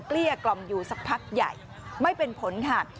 เกี้ยกล่อมอยู่สักพักใหญ่ไม่เป็นผลค่ะ